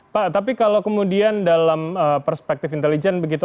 pak tapi kalau kemudian dalam perspektif intelijen begitu